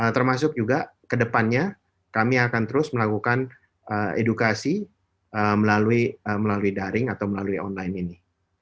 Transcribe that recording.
termasuk juga kedepannya kami akan terus melakukan edukasi melalui daring atau melalui online ini